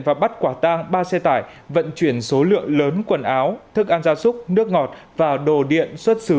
và bắt quả tang ba xe tải vận chuyển số lượng lớn quần áo thức ăn gia súc nước ngọt và đồ điện xuất xứ